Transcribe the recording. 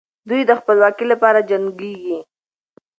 دوی د خپلواکۍ لپاره جنګېږي.